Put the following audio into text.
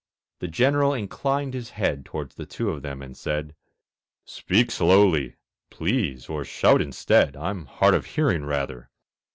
The General inclined his head Towards the two of them and said, "Speak slowly, please, or shout instead; I'm hard of hearing, rather."